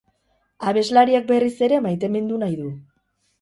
Abeslariak berriz ere maitemindu nahi du.